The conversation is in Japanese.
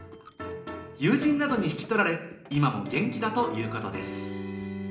友人などに引き取られ、今も元気だということです。